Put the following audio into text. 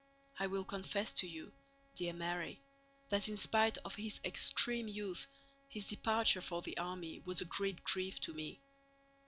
I will confess to you, dear Mary, that in spite of his extreme youth his departure for the army was a great grief to me.